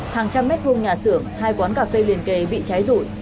hàng trăm mét vuông nhà xưởng hai quán cà phê liền kề bị cháy rụi